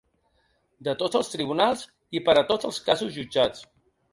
De tots els tribunals i per a tots els casos jutjats.